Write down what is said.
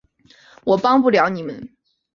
我帮不了你们